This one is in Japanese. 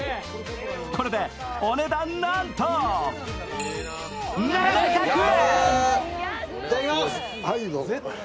これでお値段なんと７００円！